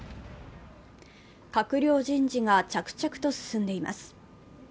閣僚人事が着々と進んでいます。